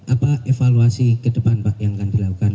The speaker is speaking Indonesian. apa evaluasi ke depan pak yang akan dilakukan